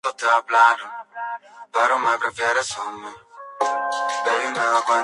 Diferentes facciones tibetanas se rebelaron contra el comisionado, el cual fue asesinado.